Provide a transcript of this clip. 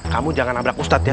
kamu jangan nabrak ustadz ya